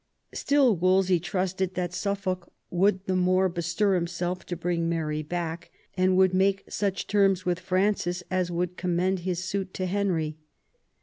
Still Wolsey trusted that Suffolk would the more bestir himself to bring Mary back, and would make such terms with Francis as would commend his suit to Henry.